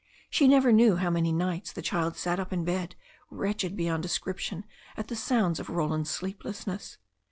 She never knew how many nights the child sat up in bed, wretched beyond description at the sounds of Roland's sleeplessness.